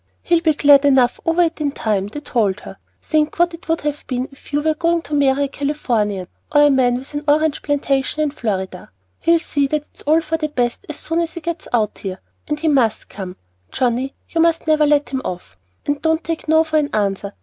"He'll be glad enough over it in time," they told her. "Think what it would have been if you had been going to marry a Californian, or a man with an orange plantation in Florida. He'll see that it's all for the best as soon as he gets out here, and he must come. Johnnie, you must never let him off. Don't take 'no' for an answer.